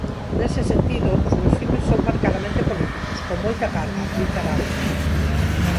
Nese sentido, os meus filmes son marcadamente políticos, con moita carga, di Zarauza.